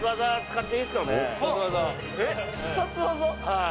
「はい」